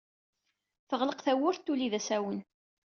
Teɣleq tawwurt, tuley d asawen.